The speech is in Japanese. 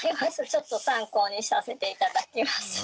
ちょっと参考にさせて頂きます。